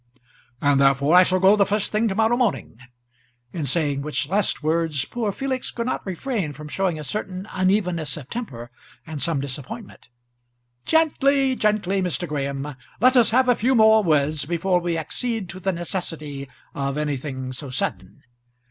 "And therefore I shall go the first thing to morrow morning" in saying which last words poor Felix could not refrain from showing a certain unevenness of temper, and some disappointment. "Gently, gently, Mr. Graham. Let us have a few more words before we accede to the necessity of anything so sudden.